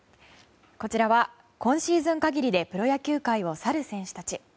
こちらは今シーズン限りでプロ野球界を去る選手たち。